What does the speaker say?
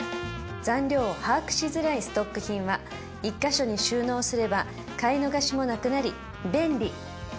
残量を把握しづらいストック品は１カ所に収納すれば買い逃しもなくなり便利